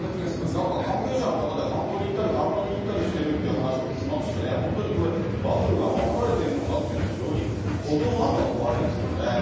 なんか関係者の方で、観光に行ったり、買い物に行ったりしてるって話も聞きますしね、本当にこれ、バブルが守られているのかっていうのは非常に、このあと怖いですよね。